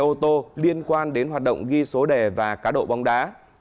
ô tô liên quan đến hoạt động ghi dịch bóng đá